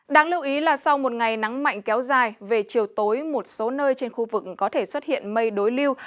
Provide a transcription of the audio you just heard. đáng lưu ý là sau một ngày nắng mạnh kéo dài về chiều tối một số nơi trên khu vực có thể xuất hiện mây đối lưu